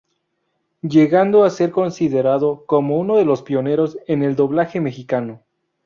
Llegando a ser considerado como uno de los pioneros en el doblaje mexicano.